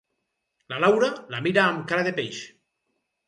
La Laura la mira amb cara de peix.